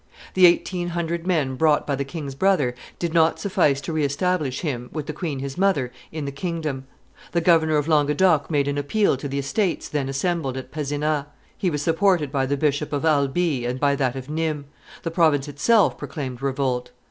The eighteen hundred men brought by the king's brother did not suffice to re establish him, with the queen his mother, in the kingdom; the governor of Languedoc made an appeal to the Estates then assembled at Pezenas; he was supported by the Bishop of Alby and by that of Nimes; the province itself proclaimed revolt.